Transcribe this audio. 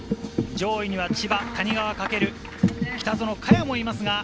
上位には千葉、谷川翔、北園、萱もいます。